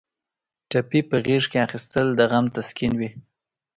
ټپي په غېږ کې اخیستل د غم تسکین وي.